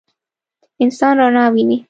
انسان رڼا ویني.